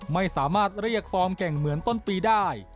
ไม่สามารถเรียกฟอร์มเก่งเหมือนต้นปีได้